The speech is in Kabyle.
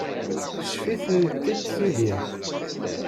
Teccef-itent tidi.